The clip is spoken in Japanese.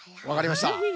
わかりました。